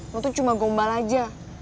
aku tuh cuma gombal aja